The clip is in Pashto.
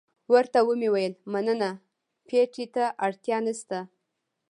ورته ومې ویل مننه، پېټي ته اړتیا نشته.